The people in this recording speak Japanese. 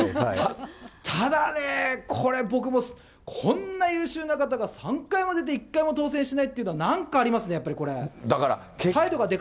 ただね、これ、僕もこんな優秀な方が３回も出て１回も当選しないっていうのは、なんかありますね、やっぱりこれ。